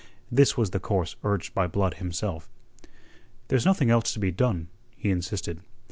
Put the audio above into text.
This was the course urged by Blood himself. "There's nothing else to be done," he insisted.